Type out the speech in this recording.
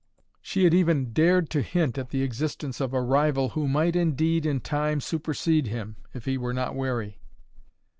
She had even dared to hint at the existence of a rival who might indeed, in time, supersede him, if he were not wary.